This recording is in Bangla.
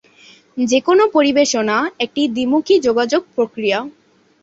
যেকোন পরিবেশনা একটি দ্বি-মুখী যোগাযোগ প্রক্রিয়া।